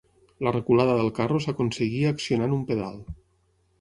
La reculada del carro s'aconseguia accionant un pedal.